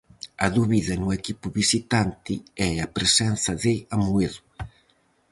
A dúbida no equipo visitante é a presenza de Amoedo.